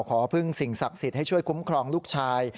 ขอพึ่งสิ่งศักดิ์สิทธิ์ให้ช่วยคุ้มครองลูกชาย